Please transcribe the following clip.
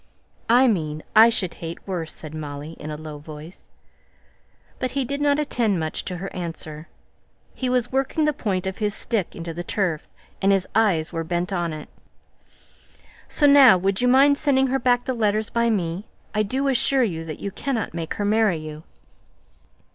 "I mean, I should hate worse," said Molly in a low voice. But he did not attend much to her answer. He was working the point of his stick into the turf, and his eyes were bent on it. "So now would you mind sending her back the letters by me? I do assure you that you cannot make her marry you."